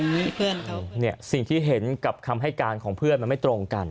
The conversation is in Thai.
นี่ซึ่งที่เห็นกับคำให้การของเพื่อนมันไม่ตรงกัน